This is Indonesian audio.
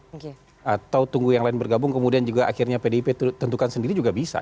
atau tunggu yang lain bergabung kemudian juga akhirnya pdip tentukan sendiri juga bisa